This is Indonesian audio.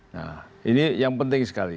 nah ini yang penting sekali